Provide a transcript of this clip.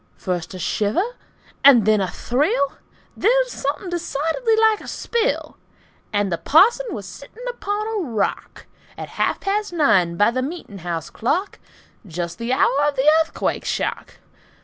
First a shiver, and then a thrill, Then something decidedly like a spill, And the parson was sitting upon a rock, At half past nine by the meet'n' house clock, Just the hour of the Earthquake shock!